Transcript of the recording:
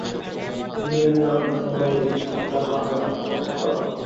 তিনি ইরানের অন্যতম নগরী ইস্পাহানের পথে পা বাড়ান।